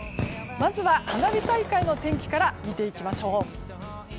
まずは花火大会の天気から見ていきましょう。